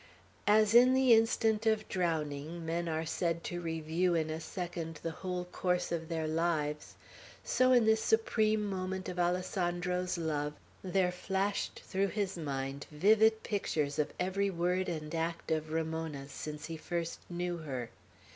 As in the instant of drowning, men are said to review in a second the whole course of their lives, so in this supreme moment of Alessandro's love there flashed through his mind vivid pictures of every word and act of Ramona's since he first knew her.